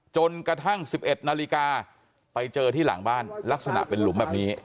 จนกระทั่ง๑๑นาฬิกาไปเจอที่หลังบ้านลักษณะเป็นหลุมแบบนี้